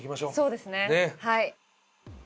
そうですねはい。